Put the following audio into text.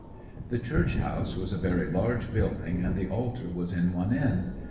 The church house was a very large building, and the altar was in one end.